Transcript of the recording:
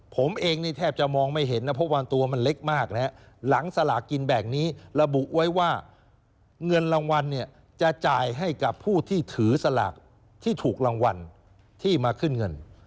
ผมเองนี่แทบจะมองไม่เห็นนะเพราะว่าตัวมันเล็กมากนะฮะหลังสลากกินแบ่งนี้ระบุไว้ว่าเงินรางวัลเนี่ยจะจ่ายให้กับผู้ที่ถือสลากที่ถูกรางวัลที่มาขึ้นเงิน